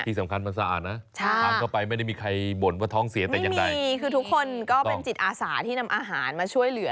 ที่สำคัญมันสะอาดนะทานเข้าไปไม่ได้มีใครบ่นว่าท้องเสียแต่อย่างใดดีคือทุกคนก็เป็นจิตอาสาที่นำอาหารมาช่วยเหลือ